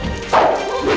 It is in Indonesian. dia harus ada di sini